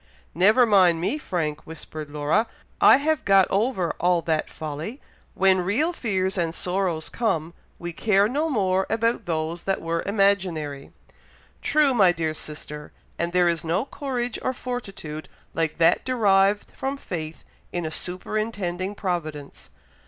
"Never mind me, Frank!" whispered Laura. "I have got over all that folly. When real fears and sorrows come, we care no more about those that were imaginary." "True, my dear sister; and there is no courage or fortitude like that derived from faith in a superintending providence.